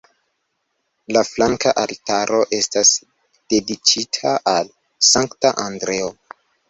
La flanka altaro estas dediĉita al Sankta Andreo.